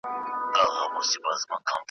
باید چوپه خوله پاتې شې